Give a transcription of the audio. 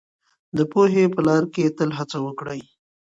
د پوهې په لاره کي تل هڅه وکړئ.